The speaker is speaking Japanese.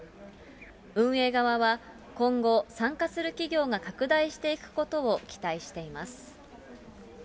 運営側は今後、参加する企業が拡大していくことを期待しています。